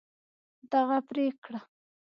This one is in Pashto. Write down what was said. دغه پرېکړه